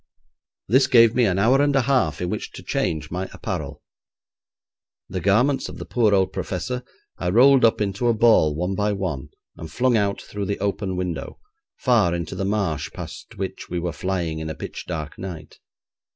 This gave me an hour and a half in which to change my apparel. The garments of the poor old professor I rolled up into a ball one by one and flung out through the open window, far into the marsh past which we were flying in a pitch dark night.